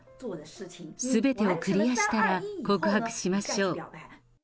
すべてをクリアしたら告白しましょう。